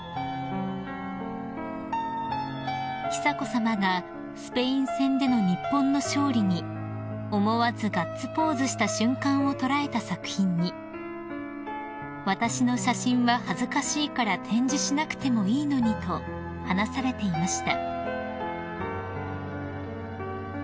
［久子さまがスペイン戦での日本の勝利に思わずガッツポーズした瞬間を捉えた作品に「私の写真は恥ずかしいから展示しなくてもいいのに」と話されていました］